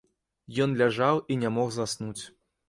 Ён ляжаў і не мог заснуць.